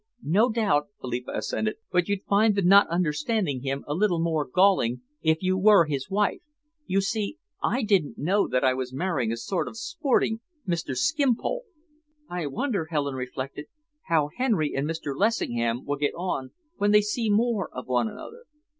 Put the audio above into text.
"No doubt," Philippa assented, "but you'd find the not understanding him a little more galling, if you were his wife. You see, I didn't know that I was marrying a sort of sporting Mr. Skimpole." "I wonder," Helen reflected, "how Henry and Mr. Lessingham will get on when they see more of one another."